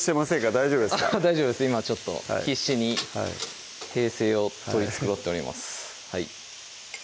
大丈夫ですか大丈夫です今ちょっと必死に平静を取り繕っております